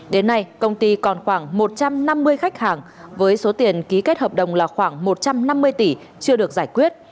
đến nay công ty còn khoảng một trăm năm mươi khách hàng với số tiền ký kết hợp đồng là khoảng một trăm năm mươi tỷ chưa được giải quyết